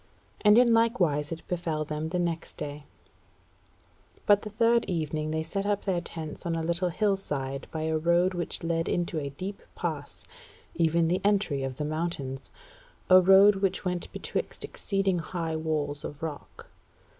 And in likewise it befell them the next day; but the third evening they set up their tents on a little hillside by a road which led into a deep pass, even the entry of the mountains, a road which went betwixt exceeding high walls of rock.